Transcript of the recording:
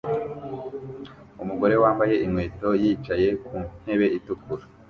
Umugore wambaye inkweto yicaye ku ntebe itukura